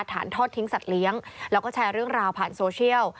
ทอดทิ้งสัตว์เลี้ยงแล้วก็แชร์เรื่องราวผ่านโซเชียล